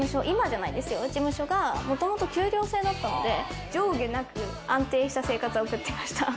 事務所がもともと給料制だったので、上下なく安定した生活を送ってました。